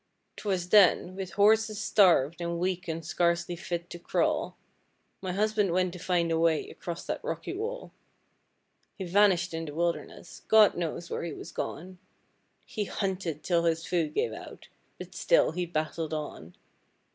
''Twas then, with horses starved and weak and scarcely fit to crawl, My husband went to find a way across that rocky wall. He vanished in the wilderness, God knows where he was gone, He hunted till his food gave out, but still he battled on.